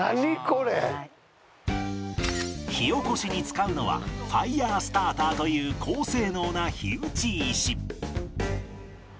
火起こしに使うのはファイヤースターターという高性能な火打ち石